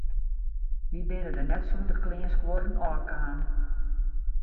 Wy binne der net sûnder kleanskuorren ôfkaam.